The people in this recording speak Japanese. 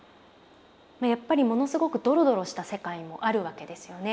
やっぱりものすごくドロドロした世界もあるわけですよね。